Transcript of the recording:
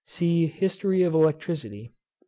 See History of Electricity, p.